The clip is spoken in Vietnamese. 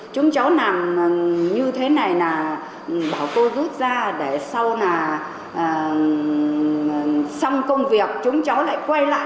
chúng cháu làm như thế này là bảo cô rút ra để sau là xong công việc chúng cháu lại quay lại